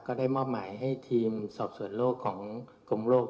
ก็ได้มอบหมายให้ทีมสอบส่วนโลกของกรมโลก